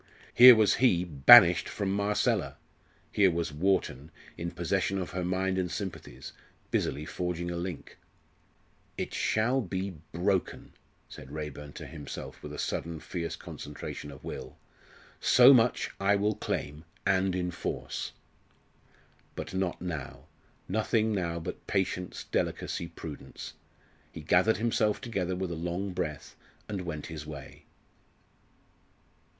Here was he, banished from Marcella; here was Wharton, in possession of her mind and sympathies, busily forging a link "It shall be broken!" said Raeburn to himself with a sudden fierce concentration of will. "So much I will claim and enforce." But not now, nothing now, but patience, delicacy, prudence. He gathered himself together with a long breath, and went his way.